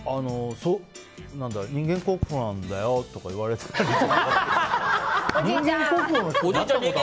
人間国宝なんだよとか言われたりは？